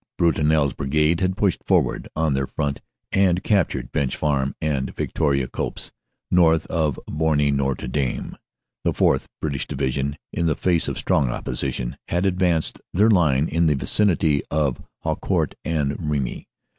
Brutinel s Brigade had pushed forward on their front and captured Bench Farm and Victoria Copse, north of Boiry Notre Dame. The 4th. (Brit ish) Division in the face of strong opposition, had advanced their line in the vicinity of Haucourt and Remy.